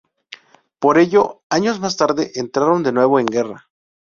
Por ello años más tarde entraron de nuevo en guerra.